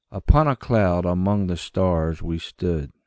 Upon a cloud among the stars we stood.